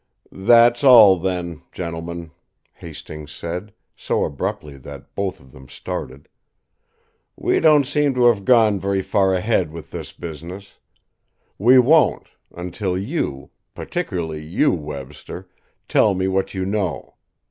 "That's all, then, gentlemen!" Hastings said, so abruptly that both of them started. "We don't seem to have gone very far ahead with this business. We won't, until you particularly you, Webster tell me what you know.